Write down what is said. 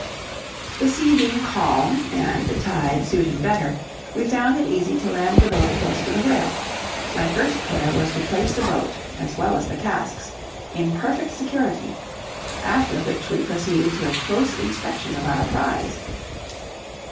The sea being calm, and the tide suiting better, we found it easy to land close to the whale; my first care was to place the boat, as well as the casks, in perfect security, after which we proceeded to a close inspection of our prize.